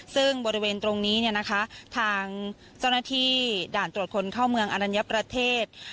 ซึ่งบริเวณตรงนี้เนี่ยนะคะทางเจ้าหน้าที่ด่านตรวจคนเข้าเมืองอนัญญประเทศ